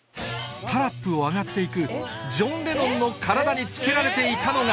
タラップを上がって行くジョン・レノンの体につけられていたのが